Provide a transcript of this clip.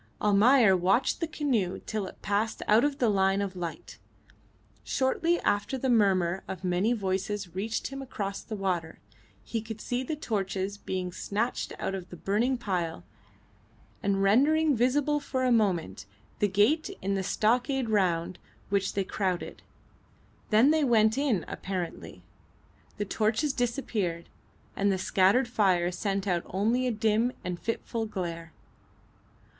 Almayer watched the canoe till it passed out of the line of light. Shortly after the murmur of many voices reached him across the water. He could see the torches being snatched out of the burning pile, and rendering visible for a moment the gate in the stockade round which they crowded. Then they went in apparently. The torches disappeared, and the scattered fire sent out only a dim and fitful glare.